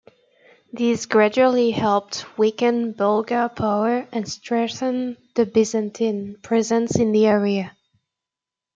These gradually helped weaken Bulgar power and strengthen the Byzantine presence in the area.